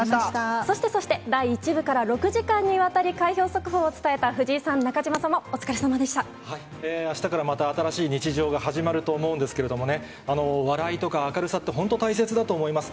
そしてそして、第１部から６時間にわたり開票速報を伝えた藤井さん、あしたからまた新しい日常が始まると思うんですけれども、笑いとか明るさって、本当大切だと思います。